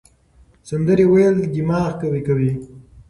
سندرې ویل دماغ قوي کوي.